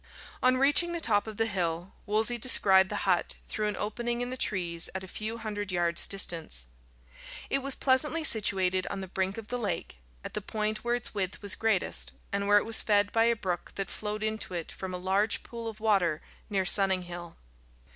On reaching the top of the hill, Wolsey descried the hut through an opening in the trees at a few hundred yards' distance. It was pleasantly situated on the brink of the lake, at the point where its width was greatest, and where it was fed by a brook that flowed into it from a large pool of water near Sunninghill.